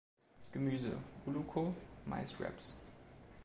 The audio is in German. Gemüse: Ulluco, Mais-Wrappes.